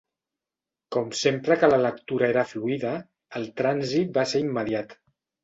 Com sempre que la lectura era fluïda, el trànsit va ser immediat.